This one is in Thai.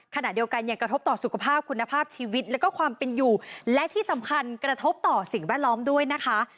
ขณะเดียวกันยังกระทบต่อสุขภาพคุณภาพชีวิตแล้วก็ความเป็นอยู่และที่สำคัญกระทบต่อสิ่งแวดล้อมด้วยนะคะ